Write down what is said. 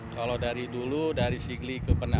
kalau dari dulu dari singli ke bandar aceh itu